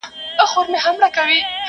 خو په زړو کي غلیمان د یوه بل دي،